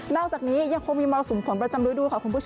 นอกจากนี้ยังคงมีมรสุมฝนประจำด้วยดู